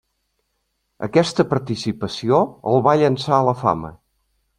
Aquesta participació el va llençar a la fama.